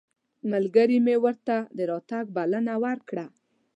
ملګري مې ورته د راتګ بلنه ورکړه.